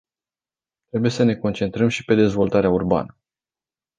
Trebuie să ne concentrăm și pe dezvoltarea urbană.